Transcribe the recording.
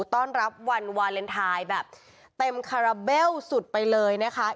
ต้อนรับวันวาเลนไทยแบบเต็มคาราเบลสุดไปเลยนะคะ